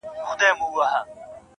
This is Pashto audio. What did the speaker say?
o حسن خو زر نه دى چي څوك يې پـټ كــړي.